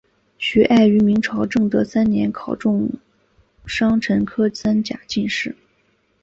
徐爱于明朝正德三年考中戊辰科三甲进士。